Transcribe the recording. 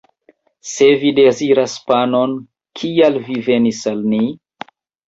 Se vi deziras panon, kial vi venis al ni?